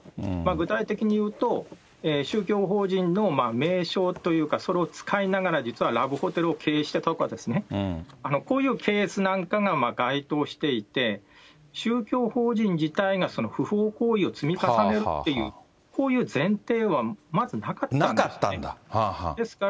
具体的に言うと、宗教法人の名称というか、それを使いながら実はラブホテルを経営してたとか、こういうケースなんかが該当していて、宗教法人自体が不法行為を積み重ねるっていう、こういう前提はまずなかったんですね。